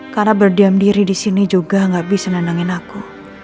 karena berdiam diri di sini juga nggak bisa nendangin aku